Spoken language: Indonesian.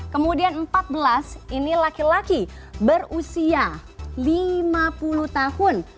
kemudian empat belas ini laki laki berusia lima puluh tahun